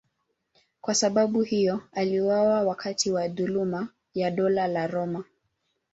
Kwa sababu hiyo aliuawa wakati wa dhuluma ya Dola la Roma.